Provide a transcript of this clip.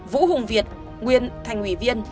vũ hùng việt nguyên thành ủy viên